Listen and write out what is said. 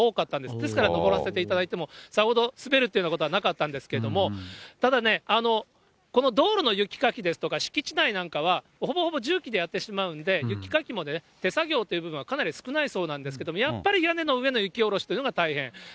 ですから上らせていただいてもさほど滑るというようなことはなかったんですけれども、ただね、この道路の雪かきですとか、敷地内なんかは、ほぼほぼ重機でやってしまうんで、雪かきも手作業っていう部分はかなり少ないそうなんですけれども、やっぱり屋根の上の雪下ろしというのが大変。